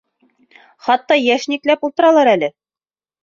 Хатта йәшникләп ултыралыр әле.